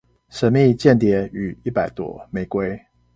神祕間諜與一百朵玫瑰